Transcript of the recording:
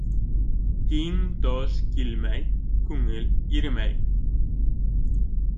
Тиң-тош килмәй, күңел иремәй.